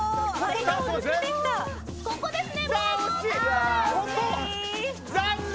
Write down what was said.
ここですね。